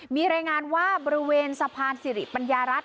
มีรายงานว่าบริเวณสะพานสิริปัญญารัฐ